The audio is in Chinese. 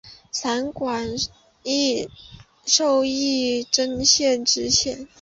散馆授仪征县知县。